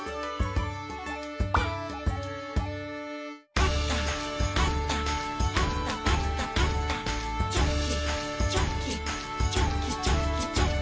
「パタパタパタパタパタ」「チョキチョキチョキチョキチョキ」